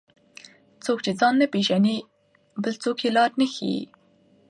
څوک چې ځان نه پیژني، بل څوک یې لار نه ښيي.